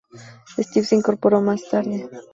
Steve se incorporó más tarde.